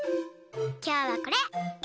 きょうはこれ。